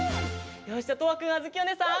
よしじゃとわくんあづきおねえさん